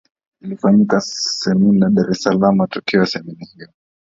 ilifanyika semina Dar es Salaam Matokeo ya semina hiyo